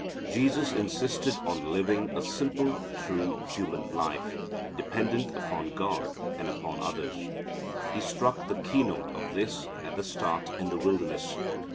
Jesus insisted on living a simple true human life, dependent upon God and upon others. He struck the key note of this at the start in the wilderness.